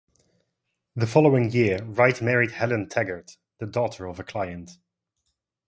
The following year Wright married Helen Taggart, the daughter of a client.